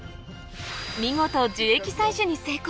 見事樹液採取に成功！